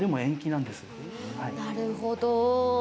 なるほど。